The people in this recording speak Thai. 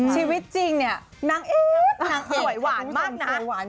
ชีวิตจริงเนี่ยนางเอกนางสวยหวานมากนะ